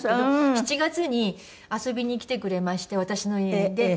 ７月に遊びに来てくれまして私の家に。